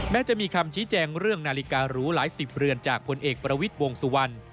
จะมีคำชี้แจงเรื่องนาฬิการูหลายสิบเรือนจากผลเอกประวิทย์วงสุวรรณ